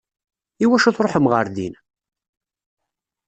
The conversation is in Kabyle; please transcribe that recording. I wacu i tṛuḥem ɣer din?